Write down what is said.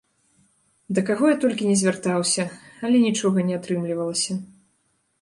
Да каго я толькі не звяртаўся, але нічога не атрымлівалася.